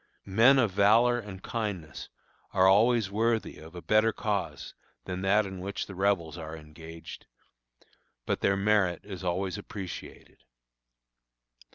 Men of valor and kindness are always worthy of a better cause than that in which the Rebels are engaged; but their merit is always appreciated.